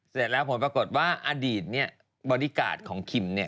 เสร็จแล้วผลปรากฏว่าอดีตเนี่ยบอดี้การ์ดของคิมเนี่ย